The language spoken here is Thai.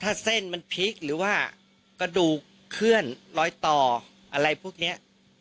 ถ้าเส้นมันพลิกหรือว่ากระดูกเคลื่อนรอยต่ออะไรพวกนี้